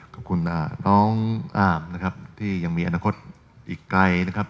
ขอบคุณน้องอาบนะครับที่ยังมีอนาคตอีกไกลนะครับ